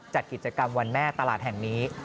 จัดกิจกรรมวันแม่ตลาดแห่งนี้